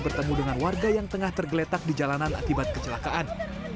bertemu dengan warga yang tengah tergeletak di jalanan akibat kecelakaan